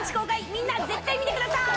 みんな絶対見てください！